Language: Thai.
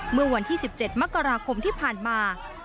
เมื่อวันที่๑๗มกราคมที่ผ่านมา